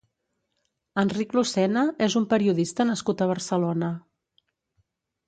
Enric Lucena és un periodista nascut a Barcelona.